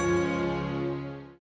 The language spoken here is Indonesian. aku juga pengen banget